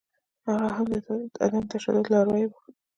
هغه د عدم تشدد لاروی و.